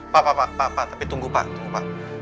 pak pak pak tapi tunggu pak